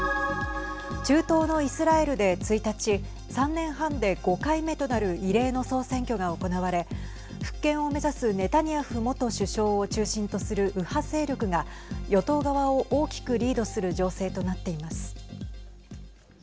中東のイスラエルで１日３年半で５回目となる異例の総選挙が行われ復権を目指すネタニヤフ元首相を中心とする右派勢力が与党側を大きくリードする情勢となっています。